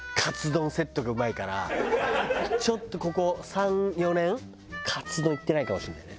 ちょっとここ３４年かつ丼いってないかもしれないね